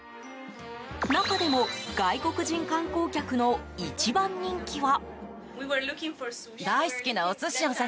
中でも外国人観光客の一番人気は。